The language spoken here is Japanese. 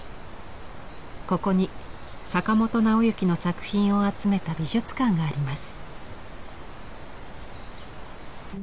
ここに坂本直行の作品を集めた美術館があります。